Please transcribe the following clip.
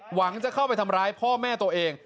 หวังจะเข้าไปทำร้ายพ่อแม่ตัวเอง